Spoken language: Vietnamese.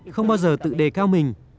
không bao giờ tự đề cao mình